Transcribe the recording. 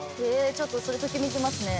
ちょっとそれときめきますね。